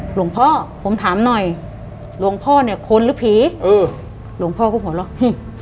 หลวงพ่อผมถามหน่อยหลวงพ่อเนี่ยคนหรือผีเออหลวงพ่อก็หัวเราะอืม